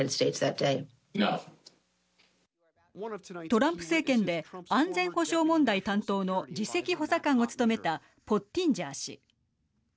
トランプ政権で安全保障問題担当の次席補佐官を務めたポッティンジャー氏。